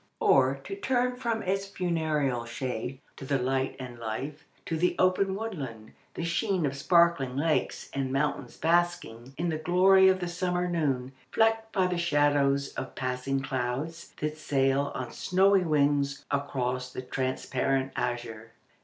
Or, to turn from its funereal shade to the light and life, to the open woodland, the sheen of sparkling lakes, and mountains basking in the glory of the summer noon, flecked by the shadows of passing clouds that sail on snowy wings across the transparent azure."